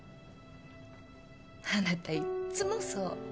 あなたいっつもそう。